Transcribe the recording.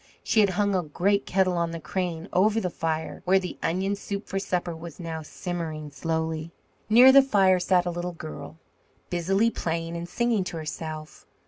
She had hung a great kettle on the crane over the fire, where the onion soup for supper was now simmering slowly. Near the fire sat a little girl, busily playing and singing to herself.